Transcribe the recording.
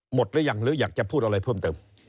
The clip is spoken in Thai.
หรือยังหรืออยากจะพูดอะไรเพิ่มเติม